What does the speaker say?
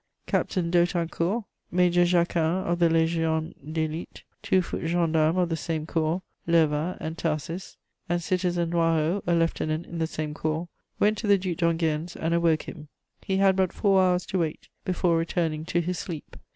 Captain Dautancourt, Major Jacquin of the Légion d'Élite, two foot gendarmes of the same corps, Lerva and Tharsis, and Citizen Noirot, a lieutenant in the same corps, went to the Duc d'Enghien's and awoke him: he had but four hours to wait before returning to his sleep.